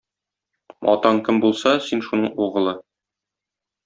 Атаң кем булса, син шуның угылы.